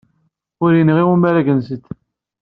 Ur iyi-yenɣi umareg-nsent.